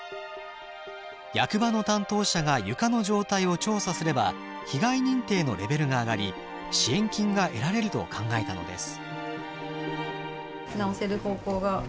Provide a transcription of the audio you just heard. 役場の担当者が床の状態を調査すれば被害認定のレベルが上がり支援金が得られると考えたのです。